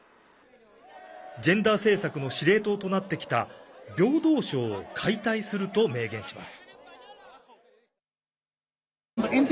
ジェンダー政策の司令塔となってきた平等省を解体すると明言します。